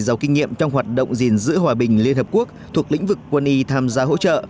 giàu kinh nghiệm trong hoạt động gìn giữ hòa bình liên hợp quốc thuộc lĩnh vực quân y tham gia hỗ trợ